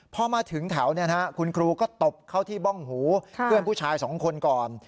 พอมาถึงแถวคุณครูก็ตบเข้าที่บ้องหูเพื่อนผู้ชายสองคนก่อน